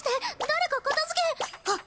誰か片付けはっ